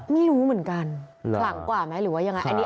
ไม่รู้เหมือนกันขลังกว่าไหมหรือว่ายังไง